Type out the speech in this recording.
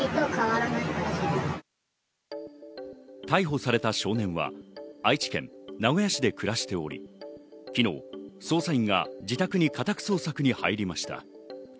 逮捕された少年は愛知県名古屋市で暮らしており、昨日、捜査員が自宅に家宅捜索に入りました。